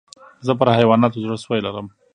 زه پر حیواناتو زړه سوى لرم.